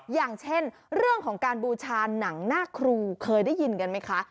อย่างเช่นเรื่องของการบูชาหนังหน้าครูเคยได้ยินกันไหมคะ